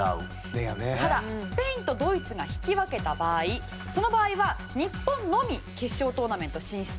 ただ、スペインとドイツが引き分けた場合は日本のみ決勝トーナメント進出。